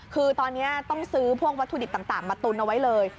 คือตอนนี้ต้องซื้อพวกวัตถุดิบต่างมาตุนเอาไว้เลย